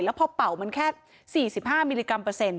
แล้วพอเป่ามันแค่๔๕มิลลิกรัมเปอร์เซ็นต